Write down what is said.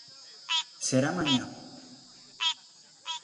Será mañá.